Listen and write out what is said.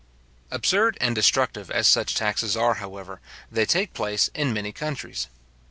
Absurd and destructive as such taxes are, however, they take place in many countries.